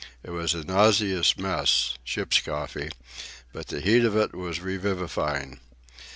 It was a nauseous mess,—ship's coffee,—but the heat of it was revivifying.